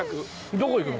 どこ行くの？